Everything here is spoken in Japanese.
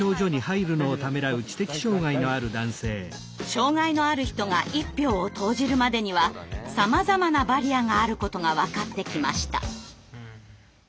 障害のある人が一票を投じるまでにはさまざまなバリアがあることが分かってきました。